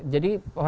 jadi apa akan